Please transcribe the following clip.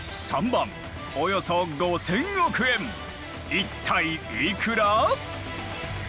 一体いくら？